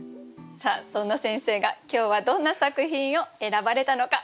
さあそんな先生が今日はどんな作品を選ばれたのか。